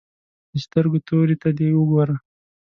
د سترګو تورې ته دې وګوره.